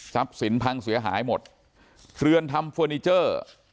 สินพังเสียหายหมดเรือนทำเฟอร์นิเจอร์